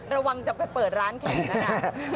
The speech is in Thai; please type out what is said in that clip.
ระวังจะไปเปิดร้านเข็มนะครับ